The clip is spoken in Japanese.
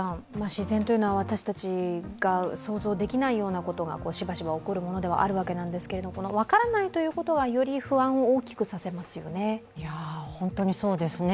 自然というのは私たちが想像できないようなことがしばしば起こるものではあるわけですが分からないということは、より不安を大きくさせますよね？